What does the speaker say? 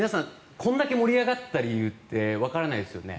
これだけ盛り上がった理由ってわからないですよね。